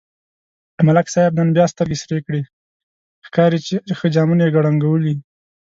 ملک صاحب نن بیا سترگې سرې کړي، ښکاري چې ښه جامونه یې کړنگولي.